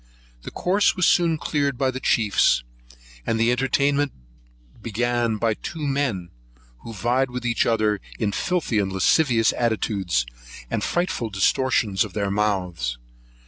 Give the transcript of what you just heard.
The course was soon cleared by the chiefs, and the entertainment began by two men, who vied with each other in filthy lascivious attitudes, and frightful distortions of their mouths.